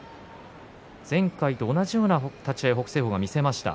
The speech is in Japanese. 前回と同じような立ち合いを北青鵬が見せました。